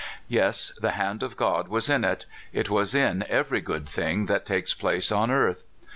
Yes, the hand of God was in it it is in every good thing that takes place on earth.